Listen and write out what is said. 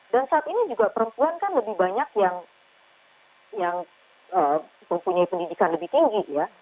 dan saat ini juga perempuan kan lebih banyak yang mempunyai pendidikan lebih tinggi ya